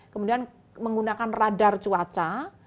kemudian menggunakan radar cuaca